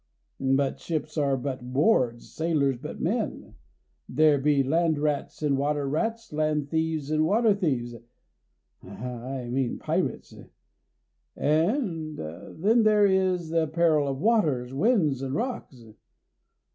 But ships are but boards, sailors but men; there be land rats and water rats, land thieves and water thieves I mean, pirates; and then there is the peril of waters, winds, and rocks.